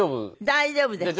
大丈夫です。